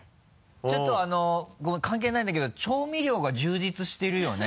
ちょっとごめん関係ないんだけど調味料が充実してるよね？